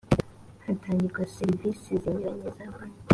hatangirwa serivisi zinyuranye za banki